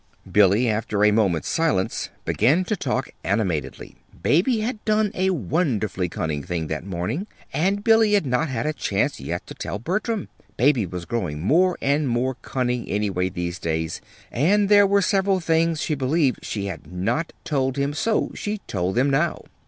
Billy, after a moment's silence, began to talk animatedly. Baby had done a wonderfully cunning thing that morning, and Billy had not had a chance yet to tell Bertram. Baby was growing more and more cunning anyway, these days, and there were several things she believed she had not told him; so she told them now.